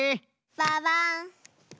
ババン！